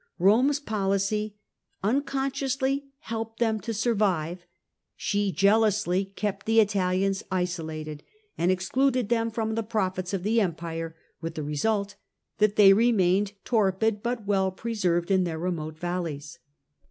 Rome's policy unconsciously helped them to survive; she jealously kept the Italians isolated, and excluded them from the profits of the Empire, with the result that they remained torpid but well preserved in their remote valleys.